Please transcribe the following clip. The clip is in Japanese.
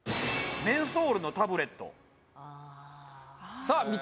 「メンソールのタブレット」さあ